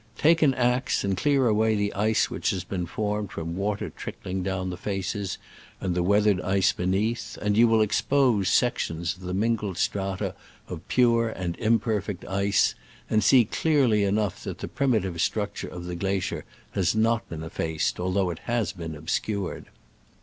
Take an axe and clear away the ice which has formed from water trickling down the faces and the weathered ice beneath, and you will expose sections of the min gled strata of pure and of imperfect ice, and see clearly enough that the primi tive structure of the glacier has not been effaced, although it has been obscured.